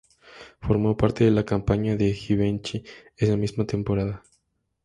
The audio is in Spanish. Formó parte de la campaña de Givenchy esa misma temporada.